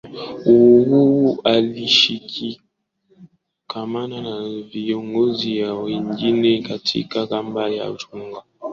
Uhuru alishikamana na viongozi wengine katika kambi ya Chungwa